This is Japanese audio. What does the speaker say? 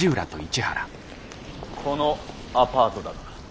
このアパートだな。